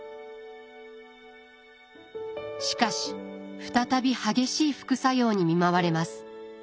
しかし再び激しい副作用に見舞われます。